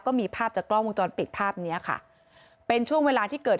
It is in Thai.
ก็มีภาพจากกล้องวงจรปิดภาพเนี้ยค่ะเป็นช่วงเวลาที่เกิด